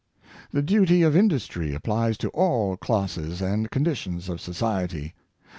The duty of industry applies to all classes and con ditions of society.